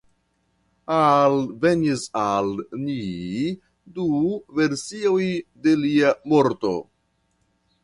Alvenis al ni du versioj de lia morto.